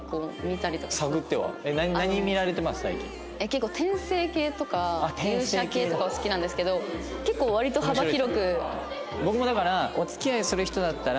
結構転生系とか勇者系とかは好きなんですけど結構割と幅広く。